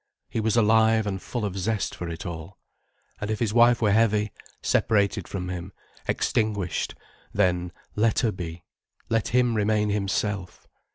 He was alive and full of zest for it all. And if his wife were heavy, separated from him, extinguished, then, let her be, let him remain himself.